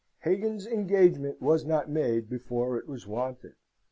Hagan's engagement was not made before it was wanted.